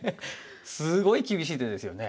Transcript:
すごい厳しい手ですよね。